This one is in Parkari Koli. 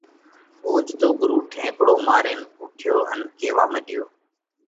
اوچتو ڳرُو ٺينڪڙو مارينَ اُوٺيو ان ڪيوا مڏيو: